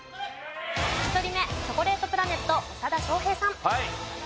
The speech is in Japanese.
１人目チョコレートプラネット長田庄平さん。